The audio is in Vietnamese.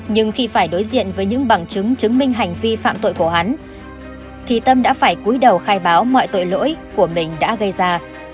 nhưng khi phải đối diện với những bằng chứng chứng minh hành vi phạm tội của hắn thì tâm đã phải cuối đầu khai báo mọi tội lỗi của mình đã gây ra